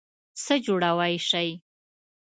څه جوړوئ شی؟